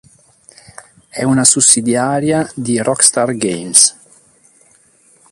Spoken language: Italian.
È una sussidiaria di Rockstar Games.